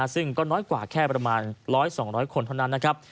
ซึ่งก็น้อยกว่าแค่ประมาณ๑๐๐๒๐๐คนเท่านั้นนะครับ